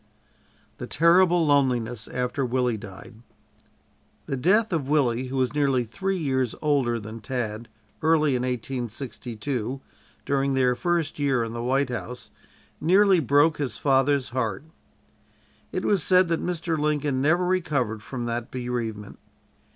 THE TERRIBLE LONELINESS AFTER WILLIE DIED The death of Willie, who was nearly three years older than Tad, early in 1862, during their first year in the White House, nearly broke his father's heart. It was said that Mr. Lincoln never recovered from that bereavement.